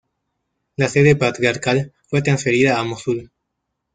La sede patriarcal fue transferida a Mosul.